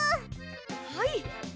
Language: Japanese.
はい。